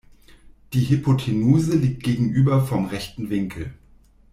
Die Hypotenuse liegt gegenüber vom rechten Winkel.